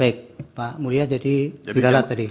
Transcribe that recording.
baik pak mulia jadi biralat tadi